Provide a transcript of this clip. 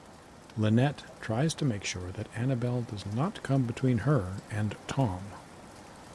Lynette tries to make sure that Annabel does not come between her and Tom.